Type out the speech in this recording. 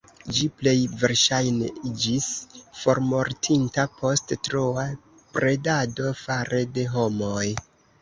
Ĝi plej verŝajne iĝis formortinta post troa predado fare de homoj.